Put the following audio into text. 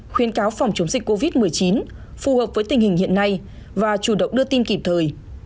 khuyên cáo phòng chống dịch covid một mươi chín phù hợp với tình hình hiện nay và chủ động đưa tin kịp thời